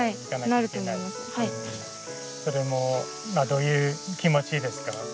どういう気持ちですか？